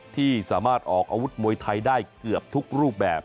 ที่สามารถออกอาวุธมวยไทยได้เกือบทุกรูปแบบ